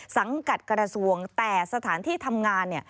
สังกัดกระทรวงแต่สถานที่ทำงานเนี่ย